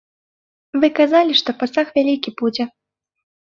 Вы казалі, што пасаг вялікі будзе.